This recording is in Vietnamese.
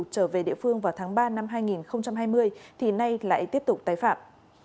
trở về địa phương vào tháng ba năm hai nghìn hai mươi thì nay lại tiếp tục tái phạm